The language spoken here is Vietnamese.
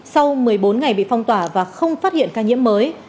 sau một mươi bốn ngày bị phong tỏa và không phát hiện ca nhiễm mới